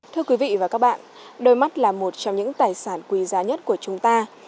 thưa quý vị và các bạn đôi mắt là một trong những tài sản quý giá nhất của chúng ta